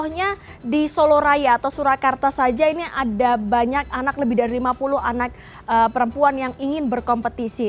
contohnya di soloraya atau surakarta saja ini ada banyak anak lebih dari lima puluh anak perempuan yang ingin berkompetisi